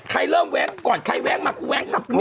ใครเลิกก่อนใครแว้งมากูแว้งผ่านไม่กลัว